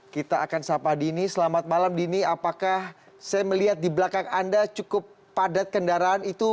kita akan sapa dini selamat malam dini apakah saya melihat di belakang anda cukup padat kendaraan itu